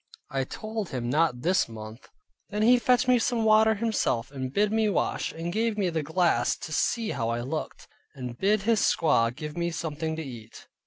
I told him not this month. Then he fetched me some water himself, and bid me wash, and gave me the glass to see how I looked; and bid his squaw give me something to eat.